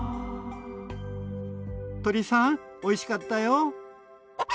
鶏さんおいしかったよ。